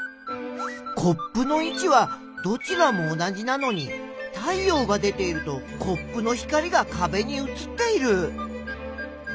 コップのいちはどちらも同じなのに太陽が出ているとコップの光がかべにうつっている。